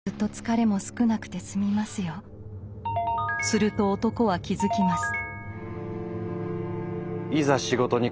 すると男は気付きます。